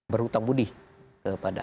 berhutang budih kepada